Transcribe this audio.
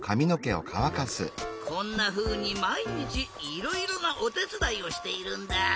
こんなふうにまいにちいろいろなおてつだいをしているんだ。